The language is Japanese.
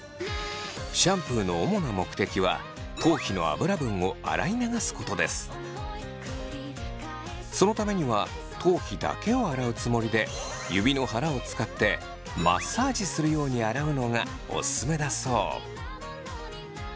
シャンプーの主な目的はそのためには頭皮だけを洗うつもりで指の腹を使ってマッサージするように洗うのがオススメだそう。